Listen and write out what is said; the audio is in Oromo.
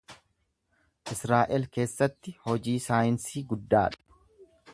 Israa’el keessatti hojii saayinsii guddaa dha.